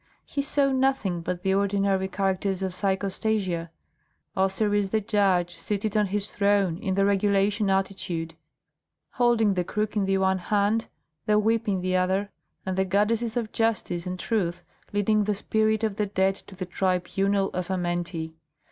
He saw nothing but the ordinary characters of psychostasia, Osiris the judge seated on his throne in the regulation attitude, holding the crook in the one hand, the whip in the other, and the goddesses of Justice and Truth leading the spirit of the dead to the tribunal of Amenti.